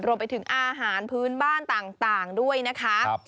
รวมไปถึงอาหารพื้นบ้านต่างด้วยนะคะ